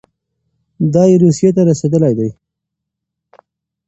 دی روسيې ته رسېدلی دی.